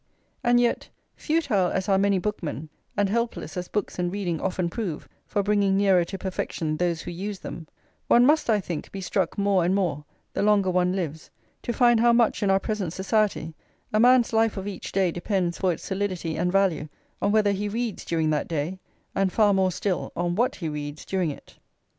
And yet, futile as are many bookmen, and helpless as books and reading often prove for bringing nearer to perfection those who [ix] use them, one must, I think, be struck more and more, the longer one lives, to find how much, in our present society, a man's life of each day depends for its solidity and value on whether he reads during that day, and, far more still, on what he reads during it.